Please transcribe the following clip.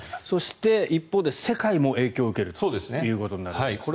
そして、一方で世界も影響を受けるということになるわけですね。